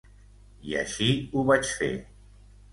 I així ho vaig fer.